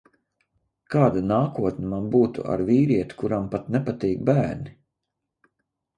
Kāda nākotne man būtu ar vīrieti, kuram pat nepatīk bērni?